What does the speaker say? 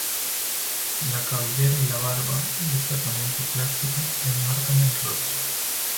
La cabellera y la barba, de tratamiento plástico, enmarcan el rostro.